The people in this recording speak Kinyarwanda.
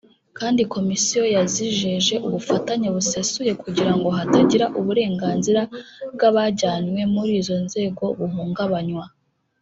kandi Komisiyo yazijeje ubufatanye busesuye kugira ngo hatagira uburenganzira bw’abajyanywe muri izo nzego buhungabanywa